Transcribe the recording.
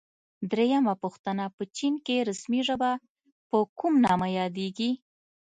درېمه پوښتنه: په چین کې رسمي ژبه په کوم نامه یادیږي؟